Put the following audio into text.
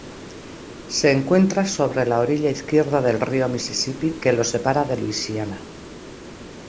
Se encuentra sobre al orilla izquierda del río Misisipi, que lo separa de Luisiana.